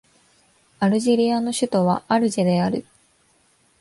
アルジェリアの首都はアルジェである